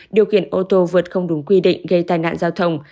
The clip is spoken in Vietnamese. điều khiển ô tô vượt không đúng quy định gây tai nạn giao thông